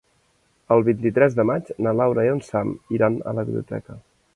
El vint-i-tres de maig na Laura i en Sam iran a la biblioteca.